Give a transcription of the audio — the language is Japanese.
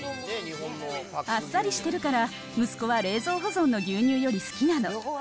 あっさりしてるから、息子は冷蔵保存の牛乳より好きなの。